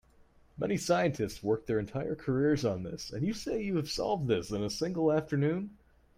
Many scientists work their entire careers on this, and you say you have solved this in a single afternoon?